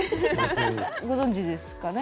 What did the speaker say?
ご存じですかね？